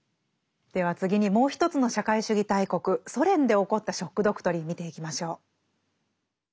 では次にもう一つの社会主義大国ソ連で起こった「ショック・ドクトリン」見ていきましょう。